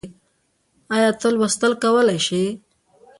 ايا ته لوستل کولی شې؟